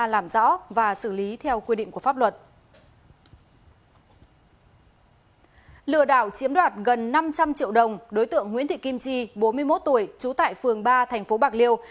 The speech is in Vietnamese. lừa đảo chiếm đoạt gần năm trăm linh triệu đồng đối tượng nguyễn thị kim chi bốn mươi một tuổi trú tại phường ba thành phố bạc liêu